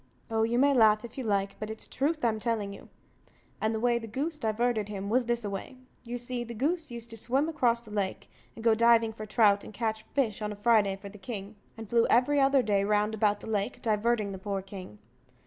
Oh, you may laugh, if you like, but it's truth I'm telling you; and the way the goose diverted him was this a way: You see, the goose used to swim across the lake, and go diving for trout and catch fish on a Friday for the king, and flew every other day round about the lake, diverting the poor king.